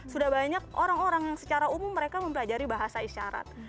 sudah banyak orang orang secara umum mereka mempelajari bahasa isyarat